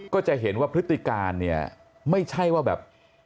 ก็จะเห็นว่าพฤติการเนี่ยไม่ใช่ว่าแบบ